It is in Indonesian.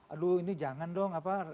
aduh ini jangan dong